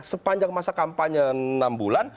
sepanjang masa kampanye enam bulan